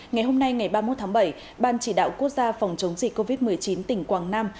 ngày hôm nay ngày ba mươi một tháng bảy ban chỉ đạo quốc gia phòng chống dịch covid một mươi chín tỉnh quảng nam